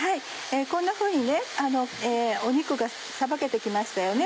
こんなふうに肉がさばけて来ましたよね。